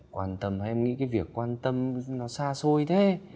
quan tâm hay nghĩ cái việc quan tâm nó xa xôi thế